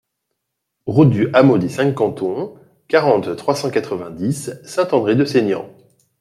Route du Hameau des cinq Cantons, quarante, trois cent quatre-vingt-dix Saint-André-de-Seignanx